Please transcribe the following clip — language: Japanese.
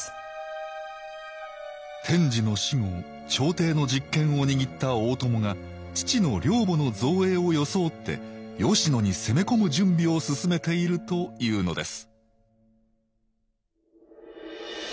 天智の死後朝廷の実権を握った大友が父の陵墓の造営を装って吉野に攻め込む準備を進めているというのです